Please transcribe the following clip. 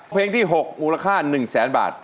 เพลงที่๖มูลค่า๑แสนบาท